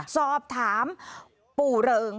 สอบถามปู่เริง